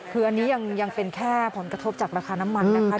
คืออันนี้ยังเป็นแค่ผลกระทบจากราคาน้ำมันนะคะ